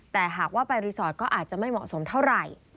แต่หากว่าไปรีสอร์ทก็อาจจะไม่เหมาะสมเท่าไหร่